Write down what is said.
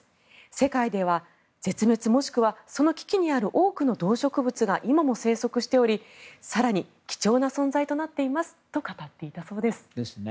世界では絶滅もしくはその危機にある多くの動植物が今も生息しており更に貴重な存在となっていますと語っていたそうです。